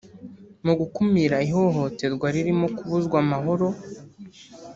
Mu gukumira ihohoterwa ririmo kubuzwa amahoro